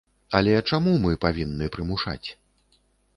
Але чаму мы павінны прымушаць?!